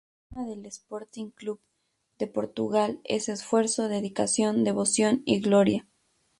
El lema del Sporting Clube de Portugal es "esfuerzo, dedicación, devoción y gloria".